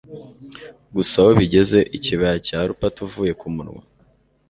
gusa aho bigeze, ikibaya cya lupatauvuye ku munwa